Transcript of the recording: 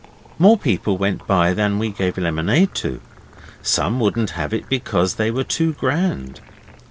More people went by than we gave lemonade to. Some wouldn't have it because they were too grand.